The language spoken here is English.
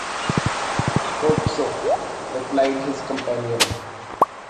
‘Hope so,’ replied his companion.